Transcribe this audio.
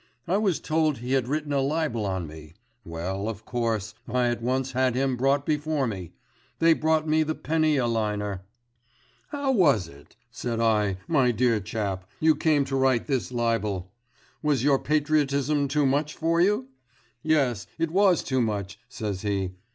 I was told he had written a libel on me. Well, of course, I at once had him brought before me. They brought me the penny a liner. '"How was it," said I, "my dear chap, you came to write this libel? Was your patriotism too much for you?" "Yes, it was too much," says he.